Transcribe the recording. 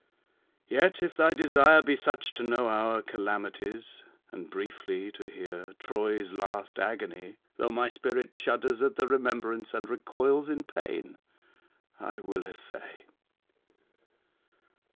Yet if thy desire be such to know our calamities, and briefly to hear Troy's last agony, though my spirit shudders at the remembrance and recoils in pain, I will essay.